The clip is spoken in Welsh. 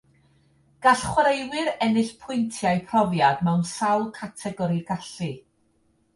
Gall chwaraewyr ennill pwyntiau profiad mewn sawl categori gallu.